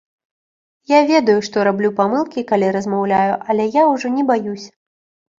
Я ведаю, што раблю памылкі, калі размаўляю, але я ўжо не баюся.